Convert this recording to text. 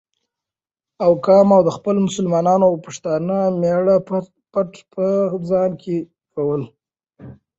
او کام او د خپل مسلمان او پښتانه مېـړه پت په ځای کول،